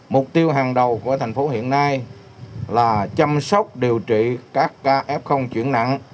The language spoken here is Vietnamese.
mục tiêu hàng đầu của thành phố hiện nay là chăm sóc điều trị các ca f chuyển nặng